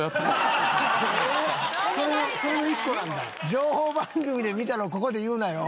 情報番組で見たのここで言うなよ。